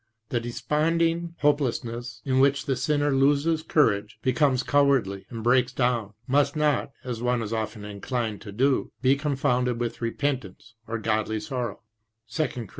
The desponding hopelessness in which the sinner loses courage, becomes cowardly, and breaks down, must not, as one is often inclined to do, be confounded with repentance or godly sorrow (2 Cor.